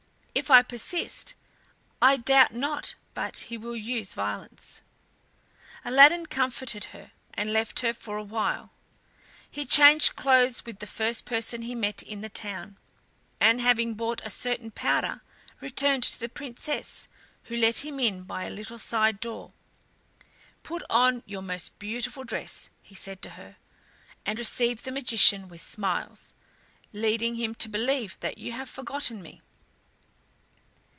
If I persist, I doubt not but he will use violence." Aladdin comforted her, and left her for a while. He changed clothes with the first person he met in the town, and having bought a certain powder returned to the Princess, who let him in by a little side door. "Put on your most beautiful dress," he said to her, "and receive the magician with smiles, leading him to believe that you have forgotten me.